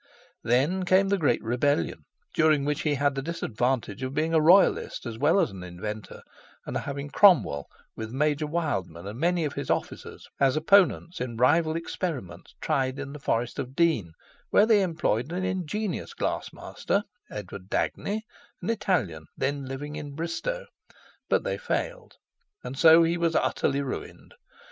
Then came the Great Rebellion, during which he had the disadvantage of being a Royalist as well as an inventor, and of having "Cromwell, with Major Wildman and many of his officers, as opponents in rival experiments tried in the Forest of Dean, where they employed an ingenious glassmaster, Edward Dagney, an Italian then living in Bristow," but they failed. And so he was utterly ruined.